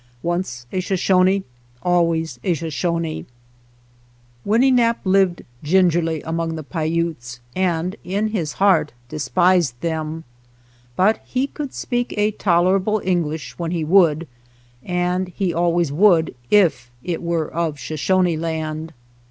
Once a Shoshone always a Shoshone. Winne nap' lived gingerly among the Paiutes and 83 SHOSHONE LAND in his heart despised them. But he could speak a tolerable English when he would, and he always would if it were of Shoshone Land.